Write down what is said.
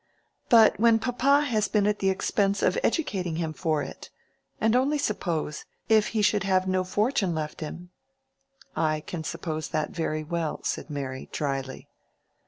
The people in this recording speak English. "But when papa has been at the expense of educating him for it! And only suppose, if he should have no fortune left him?" "I can suppose that very well," said Mary, dryly.